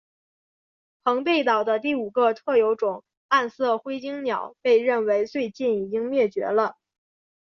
澎贝岛的第五个特有种暗色辉椋鸟被认为最近已经灭绝了。